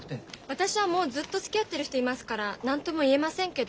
私はもうずっとつきあってる人いますから何とも言えませんけど。